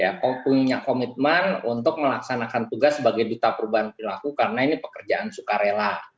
ya punya komitmen untuk melaksanakan tugas sebagai duta perubahan perilaku karena ini pekerjaan sukarela